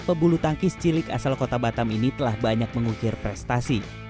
pebulu tangkis cilik asal kota batam ini telah banyak mengukir prestasi